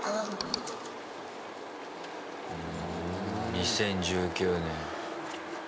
２０１９年。